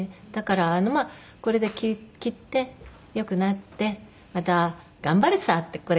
だからまあこれで切って良くなってまた頑張るさって。